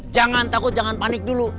jangan takut jangan panik dulu